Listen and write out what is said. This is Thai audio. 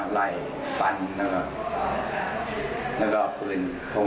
แล้วก็ขึ้นรถกระบะ